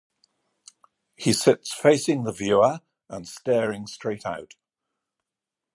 He sits facing the viewer and staring straight out.